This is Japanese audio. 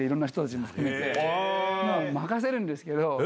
もう任せるんですけど。